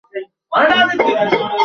এখন বুঝছো যে ঘোড়া ফাঁকা?